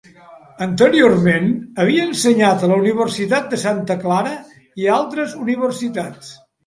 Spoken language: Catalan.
Anteriorment, havia ensenyat a la Universitat de Santa Clara i a altres universitats.